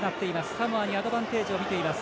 サモアにアドバンテージをみています。